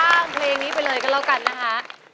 ค่ะเพลงนี้ไปเลยกันแล้วกันนะคะ